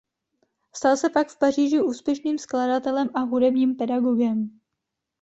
Stal se pak v Paříži úspěšným skladatelem a hudebním pedagogem.